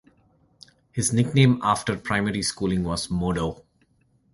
His nickname after primary schooling was Modo.